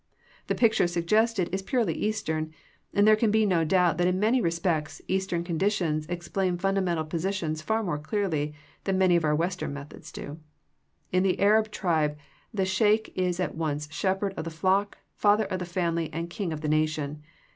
The picture suggested is purely Eastern, and there can be no doubt that in many respects, Eastern con ditions explain fundamental positions far more clearly than many of our Western methods do. In the Arab tribe the Sheik is at once shepherd of the jflock, father of the family and king of the nation.